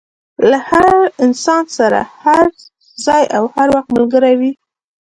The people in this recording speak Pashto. له انسان سره هر ځای او هر وخت ملګری وي.